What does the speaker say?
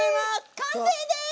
完成です！